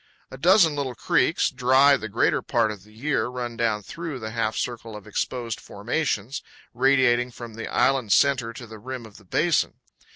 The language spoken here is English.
A dozen little creeks, dry the greater part of the year, run down through the half circle of exposed formations, radiating from the island center to the rim of the basin.